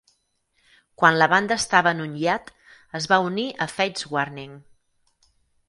Quan la banda estava en un hiat, es va unir a Fates Warning.